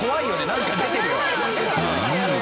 なんか出てるよ。